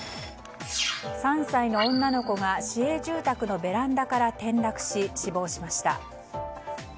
３歳の女の子が市営住宅のベランダから転落し死亡しました。